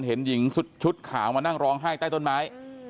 เห็นหญิงชุดขาวมานั่งร้องไห้ใต้ต้นไม้